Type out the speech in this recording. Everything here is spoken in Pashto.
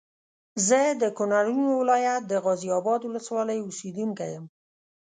زه د کونړونو ولايت د غازي اباد ولسوالۍ اوسېدونکی یم